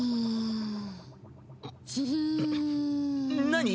何？